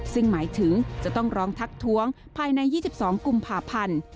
ซึ่งหมายถึงจะต้องร้องทักท้วงภายใน๒๒กุมภาพันธ์